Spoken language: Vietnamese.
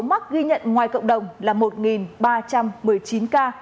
mắc ghi nhận ngoài cộng đồng là một ba trăm một mươi chín ca